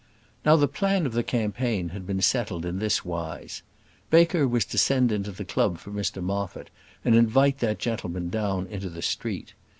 Now the plan of the campaign had been settled in this wise: Baker was to send into the club for Mr Moffat, and invite that gentleman down into the street.